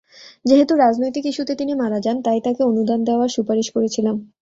যেহেতু রাজনৈতিক ইস্যুতে তিনি মারা যান, তাই তাঁকে অনুদান দেওয়ার সুপারিশ করেছিলাম।